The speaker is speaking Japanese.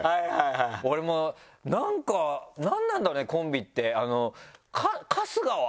俺もなんか何なんだろうねコンビって。